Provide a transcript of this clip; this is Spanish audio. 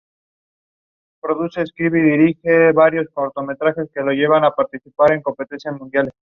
Flores solitarias, actinomorfas.